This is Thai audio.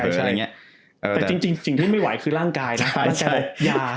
แต่จริงที่ไม่ไหวคือร่างกายเนี่ย